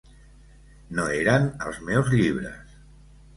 No eren els meus llibres.